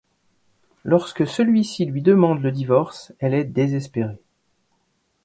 Lorsque celui-ci lui demande le divorce, elle est désespérée.